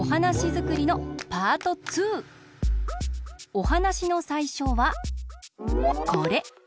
おはなしのさいしょはこれ！